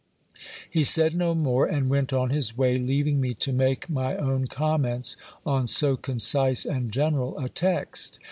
He said no more, and went on his way, leaving me to make my own comments on so concise and general a text.